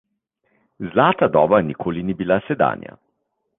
Zlata doba nikoli ni bila sedanja.